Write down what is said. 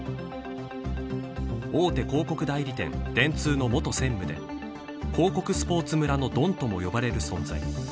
大手広告代理店電通の元専務で広告スポーツ村のドンともいわれる存在。